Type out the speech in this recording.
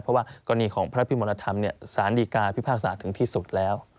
เพราะว่ากรณีของพระพิมรธรรมสารดีกาพิพากษาถึงที่สุดแล้ว